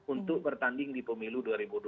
untuk bertanding di pemilu dua ribu dua puluh